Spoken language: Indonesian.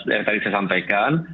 yang tadi saya sampaikan